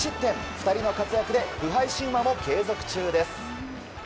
２人の活躍で不敗神話も継続中です。